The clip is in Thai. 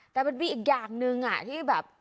แต่มันมีอีกอย่างหนึ่งที่แบบ